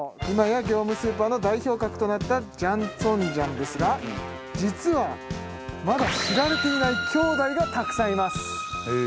今や業務スーパーの代表格となった姜葱醤ですが実はまだ知られていない兄弟がたくさんいます。